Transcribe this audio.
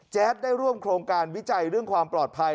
ได้ร่วมโครงการวิจัยเรื่องความปลอดภัย